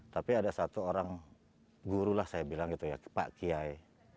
tapi ada satu orang guru lah saya bilang gitu ya pak kiai